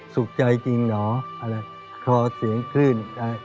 สุขใจจริงเหรออะไรพอเสียงคลื่น